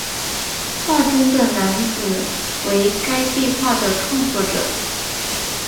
画中的男子为该壁画的创作者。